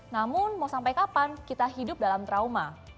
namun mau sampai kapan kita hidup dalam trauma